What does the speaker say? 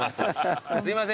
すいません